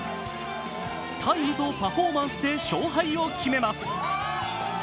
タイムとパフォーマンスで勝敗を決めます。